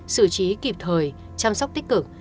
xử trí kịp thời chăm sóc tích cực